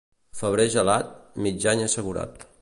Febrer gelat, mig any assegurat.